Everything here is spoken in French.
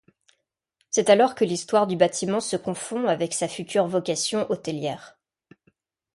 C'est alors que l'histoire du bâtiment se confond avec sa future vocation hôtelière.